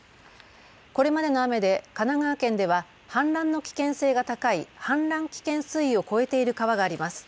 これまでの雨で神奈川県では氾濫の危険性が高い氾濫危険水位を超えている川があります。